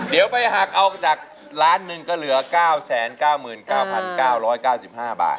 เด๋ยวไปหักเอาจากล้านนึงก็เหลือก้าวแสนเก้ามึงเก้าพันเก้าร้อยเก้าสิบห้าบาท